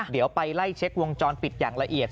เดี๋ยวไปไล่เช็ควงจรปิดอย่างละเอียด